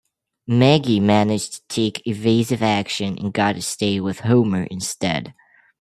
Maggie managed to take evasive action and got to stay with Homer instead.